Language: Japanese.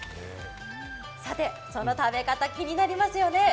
さて、その食べ方気になりますよね